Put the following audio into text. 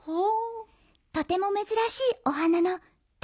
とてもめずらしいお花のたねよ。